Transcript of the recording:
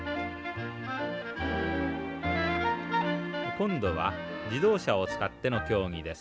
今度は自動車を使っての競技です。